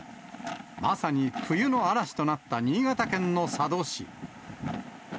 まさに冬の嵐となった新潟県の佐渡市。